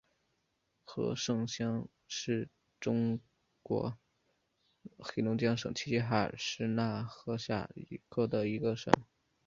和盛乡是中国黑龙江省齐齐哈尔市讷河市下辖的一个乡。